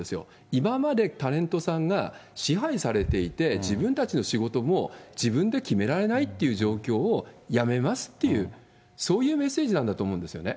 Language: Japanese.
今までタレントさんが支配されていて、自分たちの仕事も自分で決められないっていう状況をやめますっていう、そういうメッセージなんだと思うんですよね。